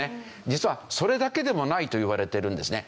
実はそれだけでもないといわれているんですね。